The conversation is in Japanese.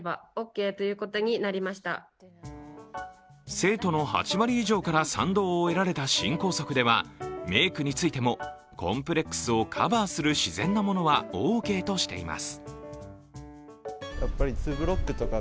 生徒の８割以上から賛同を得られた新校則ではメークについてもコンプレックスをカバーする自然なものはオーケーとしています。